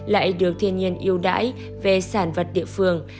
lại được thiên nhiên yêu đáy về sản vật địa phương